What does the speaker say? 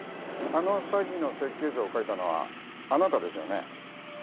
あの詐欺の設計図を書いたのはあなたですよね